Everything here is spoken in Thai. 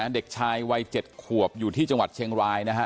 เด็กชายวัย๗ขวบอยู่ที่จังหวัดเชียงรายนะฮะ